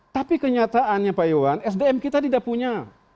tapi kenyataannya pak iwan sdm kita tidak punya